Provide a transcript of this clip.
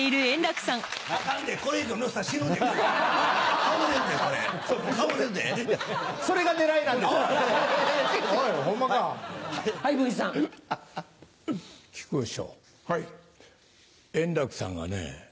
円楽さんがね